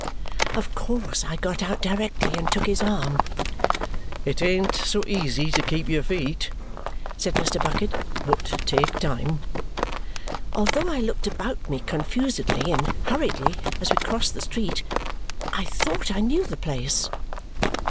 Of course I got out directly and took his arm. "It ain't so easy to keep your feet," said Mr. Bucket, "but take time." Although I looked about me confusedly and hurriedly as we crossed the street, I thought I knew the place.